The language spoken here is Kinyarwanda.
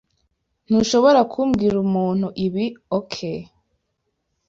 Ntushobora kubwira umuntu ibi, OK?